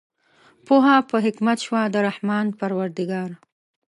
پوهه په حکمت شوه د رحمان پروردګار